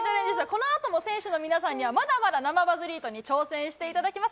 このあとも選手の皆さんには、まだまだ生バスリートに挑戦していただきます。